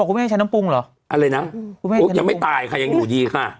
บอกว่าไม่ให้ใช้น้ำปุ้งเหรออะไรนะอุ๊ยยังไม่ตายค่ะยังอยู่ดีค่ะ